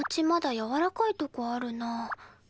まだやわらかいとこあるなあ。